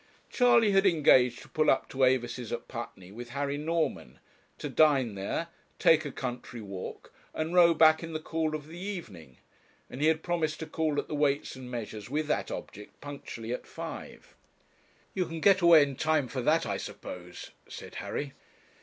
Charley had engaged to pull up to Avis's at Putney with Harry Norman, to dine there, take a country walk, and row back in the cool of the evening; and he had promised to call at the Weights and Measures with that object punctually at five. 'You can get away in time for that, I suppose,' said Harry.